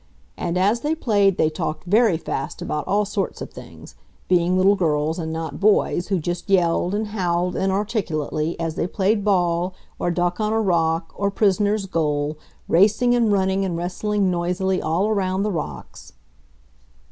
And as they played they talked very fast about all sorts of things, being little girls and not boys who just yelled and howled inarticulately as they played ball or duck on a rock or prisoner's goal, racing and running and wrestling noisily all around the rocks.